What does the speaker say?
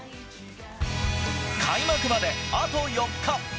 開幕まであと４日。